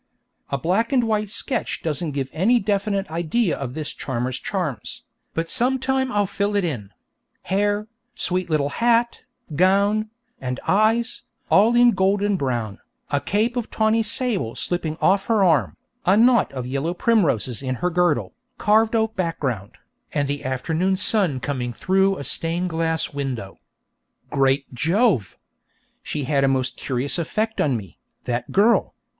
A black and white sketch doesn't give any definite idea of this charmer's charms, but sometime I'll fill it in hair, sweet little hat, gown, and eyes, all in golden brown, a cape of tawny sable slipping off her arm, a knot of yellow primroses in her girdle, carved oak background, and the afternoon sun coming through a stained glass window. Great Jove! She had a most curious effect on me, that girl!